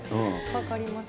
分かります。